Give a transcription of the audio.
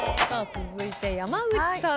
続いて松田さん。